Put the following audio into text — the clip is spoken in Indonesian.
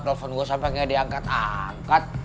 telepon gue sampai gak diangkat angkat